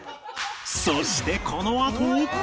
そしてこのあと